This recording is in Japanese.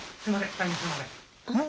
大変すいません。